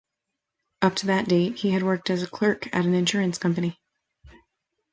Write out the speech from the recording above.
Up to that date, he had worked as a clerk at an insurance company.